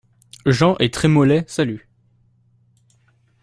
Jean et Trémollet saluent.